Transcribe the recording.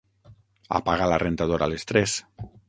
Apaga la rentadora a les tres.